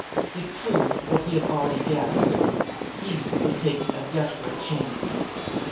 It proved what he had already guessed. He was taking a desperate chance.